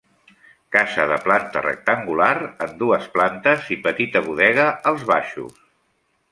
Casa de planta rectangular en dues plantes i petita bodega als baixos.